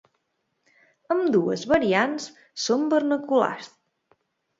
Ambdues variants són vernaculars.